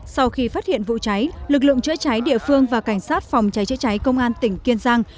sau khi phát hiện vụ cháy lực lượng chữa cháy địa phương và cảnh sát phòng cháy chữa cháy công an tỉnh kiên giang